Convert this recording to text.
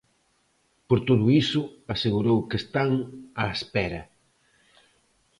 Por todo iso, asegurou que están "á espera".